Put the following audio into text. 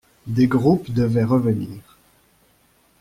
Des groupes devaient revenir.